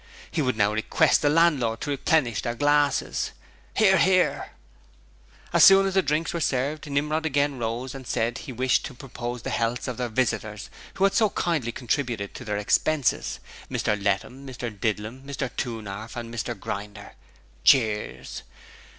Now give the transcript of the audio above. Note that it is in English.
He would now request the landlord to replenish their glasses. (Hear, hear.) As soon as the drinks were served, Nimrod again rose and said he wished to propose the healths of their visitors who had so kindly contributed to their expenses Mr Lettum, Mr Didlum, Mr Toonarf and Mr Grinder. (Cheers.)